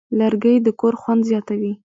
لرګی د کور خوند زیاتوي.